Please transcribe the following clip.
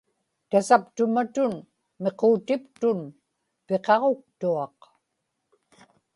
tasaptumatun miquutiptun piqaġuktuaq